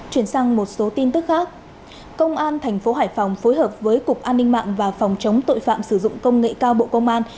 chuyển sang một số tin tức khác công an thành phố hải phòng phối hợp với cục an ninh mạng và phòng chống tội phạm sử dụng công nghệ cao bộ công an